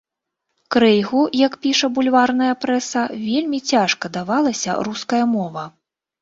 Крэйгу, як піша бульварная прэса, вельмі цяжка давалася руская мова.